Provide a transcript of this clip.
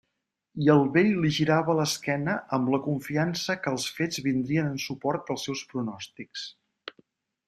I el vell li girava l'esquena, amb la confiança que els fets vindrien en suport dels seus pronòstics.